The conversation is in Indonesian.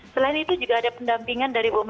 selain itu juga ada pendampingan dari umat